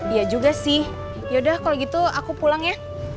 iya juga sih yaudah kalau gitu aku pulang ya